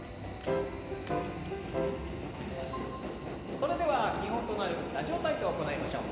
それでは基本となる「ラジオ体操」を行いましょう。